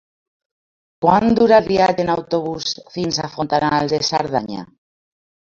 Quant dura el viatge en autobús fins a Fontanals de Cerdanya?